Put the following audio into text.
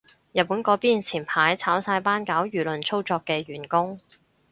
日本嗰邊前排炒晒班搞輿論操作嘅員工